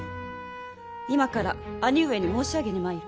今から兄上に申し上げに参る。